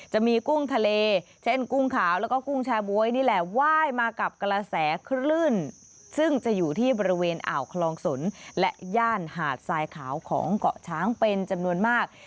กุ้งทะเลเช่นกุ้งขาวแล้วก็กุ้งแชร์บ๊วยนี่แหละไหว้มากับกระแสคลื่นซึ่งจะอยู่ที่บริเวณอ่าวคลองสนและย่านหาดทรายขาวของเกาะช้างเป็นจำนวนมาก